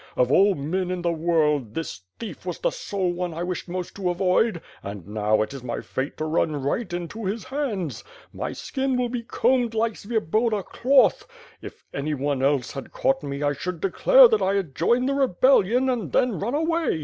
Of all men in the world, this thief was the sole one I wished most to avoid; and now, it is my fate to run right into his hands. My skin will be combed like Svieboda cloth. If anyone else had caught me, I should declare that I had joined the rebellion, and then run a/way.